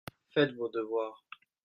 Faites vos devoirs.